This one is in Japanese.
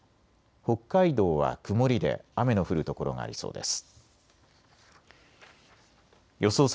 北海道は曇りで雨の降る所がありそうです。